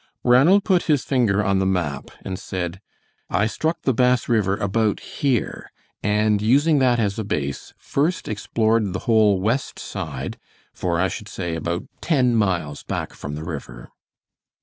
Ranald put his finger on the map, and said: "I struck the Bass River about here, and using that as a base, first explored the whole west side, for, I should say, about ten miles back from the river."